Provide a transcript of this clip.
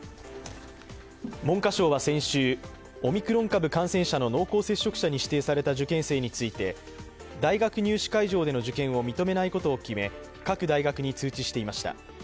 文科省は先週、オミクロン株感染者の濃厚接触者に指定された受験生について大学入試会場での受験を認めないことを決め各大学に通知していました。